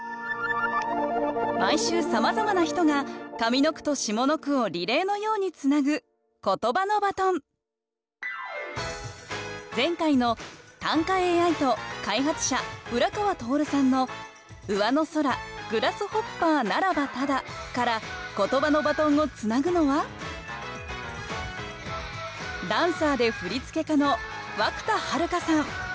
毎週さまざまな人が上の句と下の句をリレーのようにつなぐ前回の短歌ＡＩと開発者浦川通さんの「上の空グラスホッパーならばただ」からことばのバトンをつなぐのはダンサーで振付家の涌田悠さん